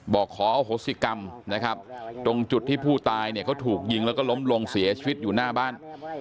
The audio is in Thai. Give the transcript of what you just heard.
บอกขออโหสิกรรมนะครับตรงจุดที่ผู้ตายเนี่ยเขาถูกยิงแล้วก็ล้มลงเสียชีวิตอยู่หน้าบ้าน